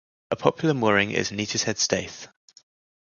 A popular mooring is Neatishead Staithe.